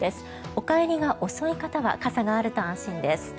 お帰りが遅い方は傘があると安心です。